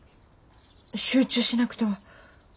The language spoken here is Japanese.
集中しなくては。